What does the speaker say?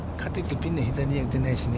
ピンの左には打てないしね。